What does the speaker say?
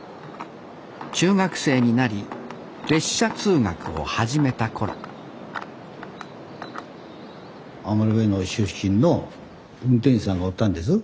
中学生になり列車通学を始めた頃余部の出身の運転士さんがおったんです。